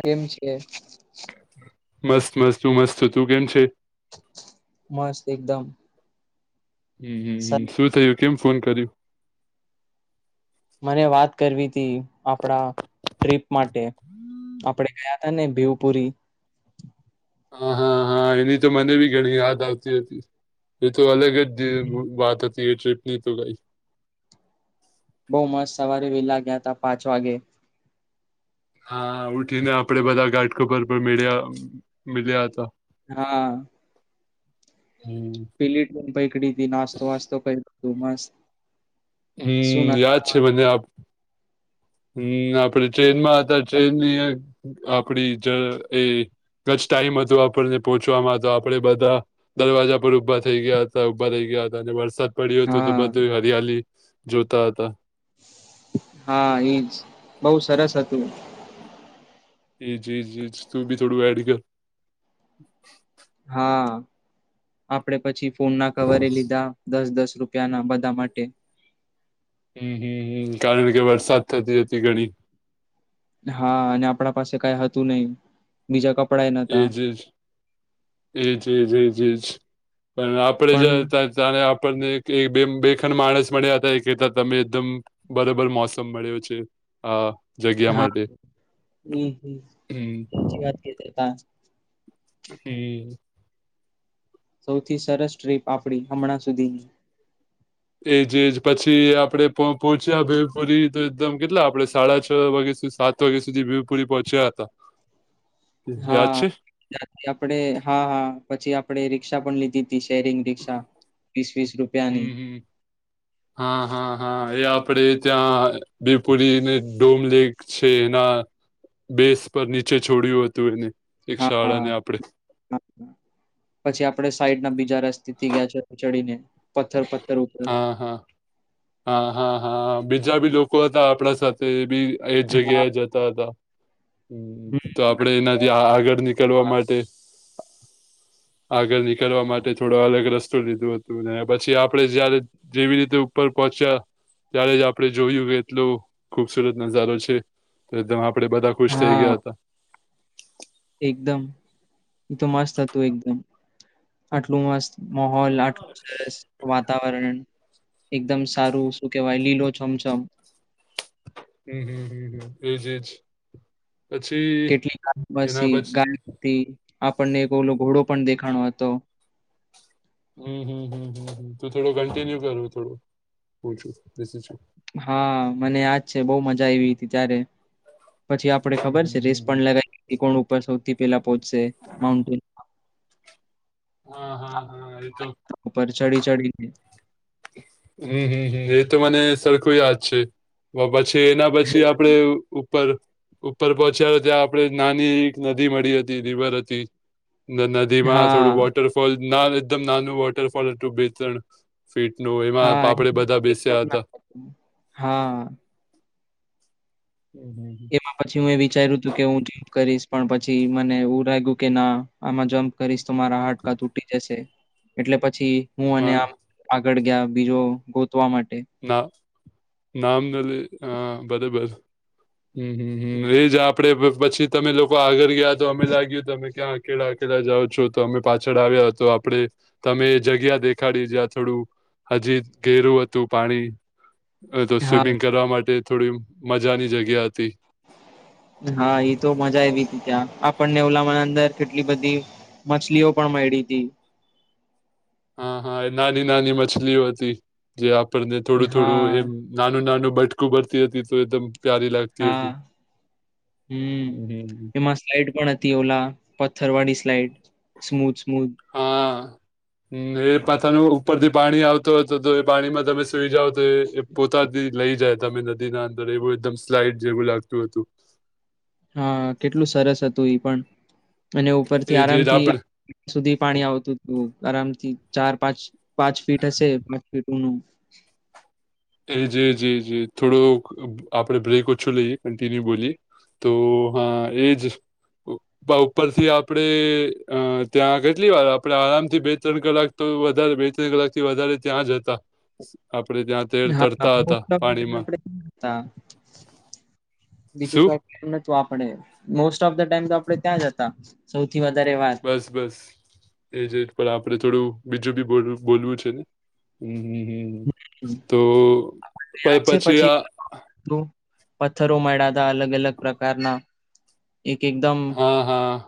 કેમ છે? મસ્ત-મસ્ત છું મસ્ત. તું કેમ છે? મસ્ત એકદમ. હમ્મ-હમ્મ. [unintelligible] શું થયું, કેમ ફોન કર્યું? મને વાત કરવી તી, આપણા ટ્રીપ માટે. આપણે ગયા તા ને ભેવપુરી. હા, હા, હા એની તો મને બી ઘણી યાદ આવતી હતી. એ તો અલગ જ જે વાત હતી એ ટ્રિપ ની તો [unintelligible] બઉ મસ્ત સવારે વહેલા ગિયા તા પાંચ વાગે. હા. ઉઠીને આપણે બધા ગાઢ કોપર પર મીળીયા મીલ્યા હતા. હા. હમ્મ. [unintelligible] પૈકડી તી નાસ્તો વાસ્તો [inaudible] મસ્ત. શું હમ્મ. યાદ છે મને આપ હમ્મ. આપણે ટ્રેન માં હતા, ટ્રેનની આપણી જ એ [unintelligible] ટાઈમ હતો આપણને પહોંચવામાં તો આપણે બધા દરવાજા પર ઉભા થઈ ગિયા હતા, ઉભા થઈ ગિયા હતા. ને વરસાદ પડ્યું હતું તો હા બધું હરિયાલી જોતા હતા. હા ઈજ. બઉ સરસ હતું. એ [unintelligible] તું ભી થોડું એડ [unintelligible] હા. આપણે પછી ફોન ના કવરે લીધા. દસ-દસ રૂપિયા ના બધા માટે. હમ્મ-હમ્મ-હમ્મ. કારણ કે વરસાદ થતી હતી ઘણી. હા. અને આપણા પાસે કાંઈ હતું નહીં. બીજા કપડા એઈ ન એજ-એજ-એજ-એજ-એજ. પણ આપણે પણ જ્યાં હતા જ તા ને આપણને [unintelligible] માણસ મળ્યા હતા એ કહેતાં [unintelligible] બરોબર મોસમ મળ્યો છે, હા. જગ્યા હા માટે, હમ્મ. હાચી વાત કીધી. [unintelligible] [unintelligible] સૌથી સરસ ટ્રીપ આપણી હમણાં સુધીની. એજ-એજ. પછી આપણે પણ પહોચ્યા ભીમપુરી, તો એકદમ કેટલા આપણે સાડા છ વાગ્યા સુધી સાત ત વાગે સુધી ભીમપુરી પહોંચ્યા હતા. યાદ છે હા. ત્યાંથી આપણે, હા, હા. પછી આપણે રિક્ષા પણ લીધી ધી શેરિંગ રિક્ષા, વીસ-વીસ હમ રૂપિયાની. હમ હા, હા, હા. એ આપણે ત્યાં ભિવપુરીને, ડોમલેેક છે એના બેઝ પર નીચે છોડ્યું હતું એને, એક હા શાળાને આપણે. હા. પછી આપણે સાઈડ ના બીજા રસ્તેથી ગિયા ચ ચડીને. પથ્થર પથ્થર ઉપર હા, હા. હા, હા, હા. બીજા બી લોકો હતા આપણા સાથે, એ બી એજ હા જગ્યાએ જતા હતા. હમ્મ. તો હમ આપણે એનાથી આગળ નીકળવા માટે આગળ નીકળવા માટે થોડો અલગ રસ્તો લીધો હતું. ને પછી આપણે જ્યારે જેવી રીતે ઉપર પહોંચ્યા ત્યારે જ આપણે જોયું એટલુ ખુબસુરત નજારો છે. તો એકદમ આપણે બધા ખુશ થઇ હા ગિયા તા. એકદમ. એ તો મસ્ત હતું એકદમ. આટલું મસ્ત મહોલ આટલું સરસ વાતાવરણ, એકદમ સારું શું કહેવાય લીલો છમછમ. હમ્મ-હમ્મ-હમ્મ-હમ્મ. એજ-એજ. કેટલી [unintelligible] પસી પછી ગાય હતી, આપણને એક ઓલો ઘોડો પણ દેખાડો હતો. હમ્મ-હમ્મ-હમ્મ-હમ્મ. તું થોડો કન્ટિન્યુ કર, હું થોડું [unintelligible] હા મને યાદ છે. બહુ મજા આયવી હતી ત્યારે. પછી આપણે હમ ખબર છે હમ હમ. રેસ હમ. પણ લગાઈ કે કોણ ઉપર સૌથી પેલા પહોંચશે. માઉન્ટેન [inaudible] હા હા હા એ તો [inaudible] ઉપર ચડી-ચડીને હમ્મ-હમ્મ-હમ્મ. એ તો મને સરખું યાદ છે. [unintelligible] પછી એના પછી આપણે ઉપર ઉપર પહોંચ્યા તો ત્યાં આપણે નાની એક નદી મળી હતી, રિવર હતી. ને નદીમાં થોડું હા, વોટરફોલ, ના હવે એકદમ નાનું વોટરફોલ હતું બે-ત્રણ ફીટ નું એમાં હા આપણે બધા એકદમ બેસ્યા ના હતા. હા. હમ્મ, હમ્મ. એમાં પછી મેં વિચાર્યું તું કે હું જમ્પ કરીશ પણ મને એવું લાગ્યું ના આમાં જમ્ કરીશ તો મારા હાડકા તૂટી જશે એટલે પછી હું હમ. અને હા આમ આગળ ગ્યા બીજો ગોતવા માટે. ના નામ નલી અ બરેબર. હમ્મ, હમ્મ, હમ્મ, એજ આપડે પછી તમે લોકો આગળ ગ્યા તો અમે લાગ્યું તમે ક્યાં કેલા અકેલા જાઉં છો તો અમે પાછળ આવ્યા તો આપડે તમે એ જગ્યા દેખાડી જ્યાં થોડું હજી ઘેરું હત તું પાણી તો હા. સ્વિમિંગ કરવા માટે થોડી મજા ની જગ્યા હતી. હા એ તો મજા આયવી હતી ત્યાં આપણને ઓલા માં અંદર કેટલી બધી માછલીઓ પણ મયડી તી. હા હા એ નાની નાની મછલીઓ હતી જે આપણને થોડું થોડું એમ. હા નાનું નાનું બટકું ભરતી હતી તો એકદમ પ્યારી લાગ હા, હમ્મ, હમ હમ, હમ. એ મસ્ સ્લાઈડ પણ હતી ઓલા પથ્થરવાડી સ્લાઈડ સ્મૂથ સ્મૂથ. હમ્મ, એ [unintelligible] ઉપરથી પાણી આવતો હતો તો એ પાણીમાં તમે સુઈ જાવ તો એ પોતાથી લઈ જાય તમે નદી ના અંદર એવું એકદમ સ્લાઈડ જેવું લાગતું હતું. હા કેટલું સરસ હતું ઈ પણ અને ઉપરથી એ જે આરામ થી આપણે સુધી પાણી આવતું હતું, આરામથી ચાર પાંચ પાંચ ફીટ હશે પાંચ ફીટ ઉનુ. એજ એજ એજ એજ થોડો આપડે બ્રેક ઓછો લઈએ કન્ટિન્યુ બોલીએ. તો હા એજ. [inaudible] આપડા ઉપરથી આપડે અ ત્યાં કેટલી વાર આપણેે આરામથી બે ત્રણ કલાક તો વધારે બે ત્રણ કલાક થી વધારે ત્યાં જતા આપડે ત્યાં તે હા તરતા હતા પાણીમાં [inaudible] હા બીજું શું કઈ એઉં નતું આપડે મોસ્ટ ઓફ ધ ટાઈમ તો આપે ત્યાં જ હતા સૌથી વધારે વાર. બસ બસ. એજ એજ પણ આપડે થોડું બીજું બી બોલવું બોલવું છે ને? હમ્મ, હમ્મ, હમ્મ. તો પ યાદ છે પછી આ તો પથ્થરો મળ્યાતા અલગ અલગ પ્રકારના એક એકદમ હા, હા.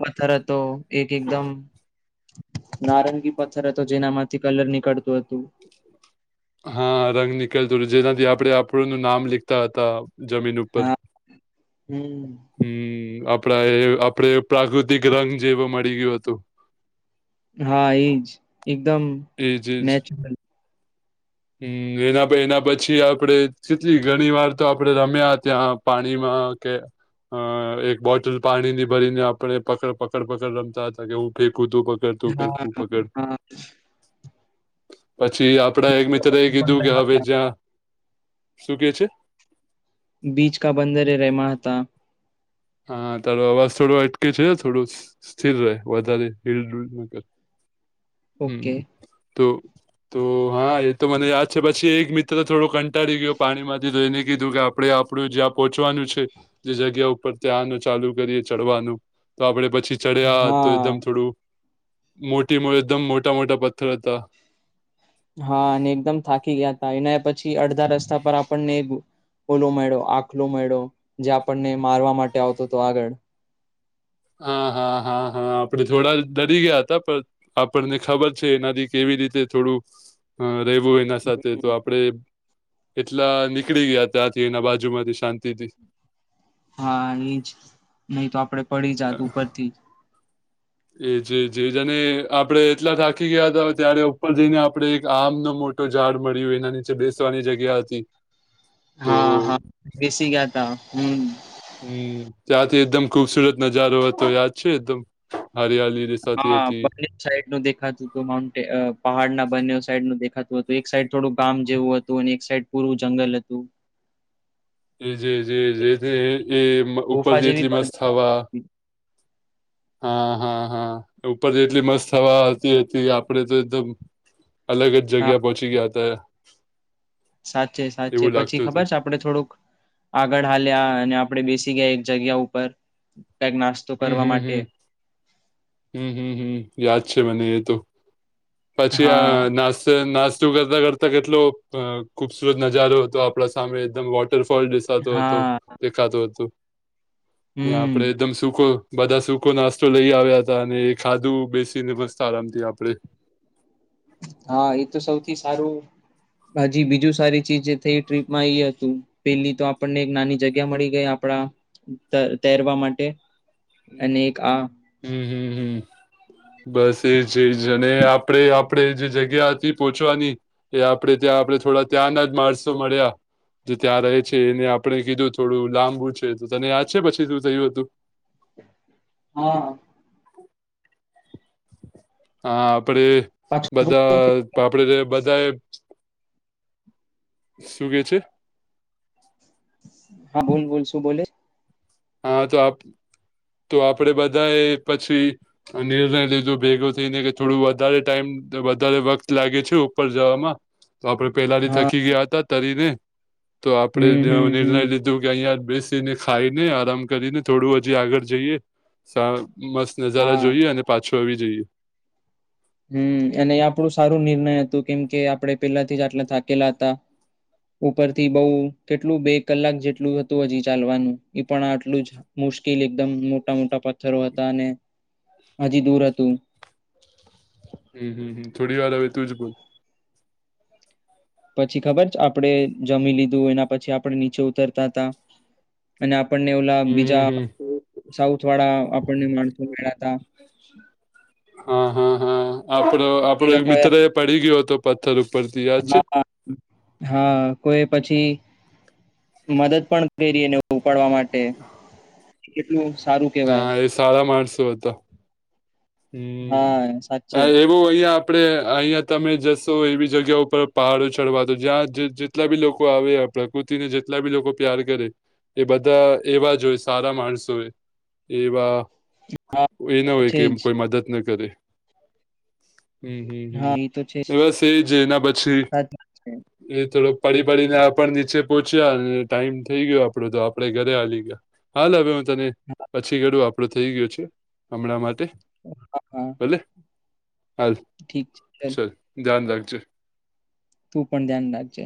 વથર તો એક એકદમ. નારંગી પથ્થર હતો જેનામાંથી કલર નીકળતું હતું, [inaudible] હા, રંગ નીકળતો હતો, જેનાથી આપડે આપણનું નામ લીખતા હતા. જમીન ઉપર. હા હમ હમ્મ, આપડા એ આપડે પ્રાકૃતિક રંગ જેવો મળી ગયું હતું, હા એજ એકદમ. એજ એજ. નેચરલ હું એના એના પછી આપડે કેટલી ઘણીવાર રમ્યા ત્યાં. પાણીમાં કે અ એક બોટલ પાણી ની ભરીને આપણે પકડ પકડ પકડ રમતા હતા કે હું ફેંકુતું હા હા [unintelligible] પછી આપડા એક મિત્ર એ કીધું કે હવે જ્યાં શું કે છે? બીચ કા બંદર એ રહેેમા હતા હા તારો અવાજ થોડો અટકે છે, થોડો સ્થિર રહે વધારે હીલ ડુલ ના કર હમ ઓકે તુ તો હા એતો મને યાદ છે, પછી એક મિત્ર થોડો કંટાળી ગયો પાણીમાંથી જોઈને કીધું કે આપ. આપડે આપડું જ્યાં પહોંચવાનું છે, જે જગ્યા ઉપર ત્યાંનું ચાલુ કરીએ ચડવાનું તો આપણે પછી ચડ્યા તો હા એકદમ થોડું મોટી મોટી એકદમ મોટા મોટા પથ્થર હતા હા અને એકદમ થાકી ગયાતા એના પછી અડધા રસ્તા પર આપણને ઓલો મેડો આખલો મેડો જે આપણને મારવા માટે આવતો હતો આગળ હા, હા, હા, હા આપણે થોડા ડરી ગયા હતા, પણ આપણને ખબર છે, એનાથી કેવી રીતે થોડું અ રહેવું. એના સાથે તો આપડે એટલા નીકળી ગયા ત્યાંથી એના બાજુમાંથી શાંતિથી હા એજ નહીં તો આપડે પડી જાત ઉપરથી જ એજ જ જ અને આપડે એટલા થાકી ગયા હતા, ત્યારે ઉપર જઈને આપણેે એક આમનો મોટ તો ઝાડ મળ્યું એના નીચે બેસવાની જગ્યા હતી, તો હા હા બેસી ગયાતા હું, હું ત્યાંથી એકદમ ખુબસુરત નજારો હતો યાદ છે, એકદમ હરિયાળી હા બને સાઈડ નો દેખતું હતું માઉન્ટે અ પહાડના બંને સાઈડનું દેખાતું હતું એક સાઈડ થોડું ગામ જેવું હતું અને એક સાઈડ પૂરું જંગલ હતું એજે જે જે એ ગુફા ઉપરથી જેવી એટલી મસ્ત હવા પણ હા, હા, હા ઉપર એટલી મસ્ત હવા આવાતી હતી આપણે તો એકદમ અલગ જગ્યા હા પહોંચી ગ્યાતા સાચે સાચે પછી ખબર હતું છે, આપડે આપણે થોડુંક આગળ હાલ્યા અને આપણેે બેસી ગયા એક જગ્યા ઉપર કંઈક નાસ્તો હું, કરવા હું, માટે હું, હું, હું, હું યાદ છે, મને એ તો પછી આ હા નાસ નાસ જો કરતા કરતા કેટલો અ ખુબસુરત નજારો હતો આપડા સામે એકદમ વોટરફોલ હતો હતો હા દેખાતો હતો ને હમ આપડે એકદમ સુકો બધા સૂકો નાસ્તો લઈ આવ્યા હતા અને એ ખાધું બેસીને મસ્ત આરામથી આપડે હા એતો સૌથી સારું હજી બીજું સારી ચીજ થઈ ટ્રીપમાં એ હતું પેલીતો આપણને એક નાની જગ્યા મળી ગઈ આપણા ત તૈરવા માટે અને એક આ, હું, હું, હું બસ એ જ જ અને આપણેે આપણેે જે જગ્યા હતી પોહોંચવાની એ આપણેે ત્યાં આપણે થોડા ત્યાંના જ માણસો મળ્યા જો ત્યાં રહે છે એને આપણે કીધું થોડું લાંબુ છે તો તને યાદ છે પછી શું થયું હતું હા હા આપડે બધા પાછું પાપડે રે બધાએ શું કે છે? હા બોલ બોલ શું બોલે હા તો આપ તો આપડે બધાએ પછી અને નિર્ણય લીધો ભેગો થઈને કે થોડું વધારે ટાઈમ વધારે વખત લાગે છે ઉપર જવામાં તો આપડે પેલાથી હા થકી ગયા હતા તરીને તો આપડે હમ તો હમ નિર્ણય હમ લીધો કીધું કે અહીંયા જ બેસીને ખાઈને, આરામ કરીને થોડું હજી આગળ જઈએ, સા મસ્ત નજારા હા જોઈએ અને પાછું આવી જઈએ. હમ્મ. એને ઈ આપણું સારું નિર્ણય હતું કેમ કે આપણે પહેલા થી જ આટલા થાકેલા હતાં. ઉપરથી બઉ કેટલું બે કલાક જેટલું હજી ચાલવાનું, ઈ પણ આટલું જ. મુશ્કિલ એકદમ મોટા-મોટા પથ્થરો હતા અને હજી દૂર હતું. હમ્મ-હમ્મ-હમ્મ. થોડી વાર હવે તું જ બોલ. પછી ખબર છ, આપણેે જમી લીધું એના પછી આપણે નીચે ઉતરતા હતા અને આપણને ઓલા હમ હમ બીજા હમ સાઉથ વાળા આપણને માણસો મેળા તા. હા, હા હા. આપણો-આપણો એ મિત્ર એ પડી ગયો હતો પથ્થર ઉપરથી. યાદ છે? હા હા કોઈએ પછી મદદ પણ કઈરી એને ઉપાડવા માટે. ઈ કેટલું સારું કહેવાય. હા એ સારા માણસો હતો. હમ્મ. હા સાચે [unintelligible] બહું અહીંયા આપણે અહીંયા તમે જશો એવી જગ્યા ઉપર પહાડો ચડવા. તો જ્યાં જ-જ જેટલા બી લોકો આવે, આ પ્રકૃતિ ને જેટલા બી લોકો પ્યાર કરે એ બધા એવા જ હોય, સારા માણસો હોય. એવા હા એવું તો ના હોય એમ છે જ કે કોઈ મદદ ના કરે. હમ્મ-હમ્મ-હમ્મ. હા તો છે જ એ બસ એ જ. એના પછી સાચી વાત છે એ થોડો પડી-પડીને આપણ નીચે પહોંચ્યા, અન ટાઈમ થઈ ગયો આપણો તો આપણેે ઘરે હાલી ગયા. હાલ. હવે હું તને હા પછી કરું, આપણું થઈ ગયું છે હમણાં માટે. [inaudible] ભલે. હાલ. ઠીક છે. ચલ [unintelligible] ધ્યાન રાખજે. તું પણ ધ્યાન રાખજે.